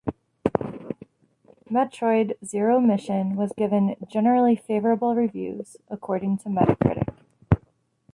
"Metroid: Zero Mission" was given "generally favorable reviews", according to Metacritic.